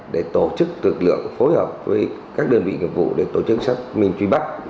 để tổ chức lực lượng phối hợp với các đơn vị nghiệp vụ để tổ chức xác minh truy bắt